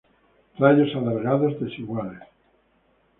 Rayos alargados, desiguales.